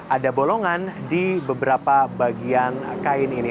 ada bolongan di beberapa bagian kain ini